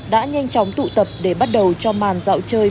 đã nhanh chóng tụ tập để bắt đầu cho màn dạo chơi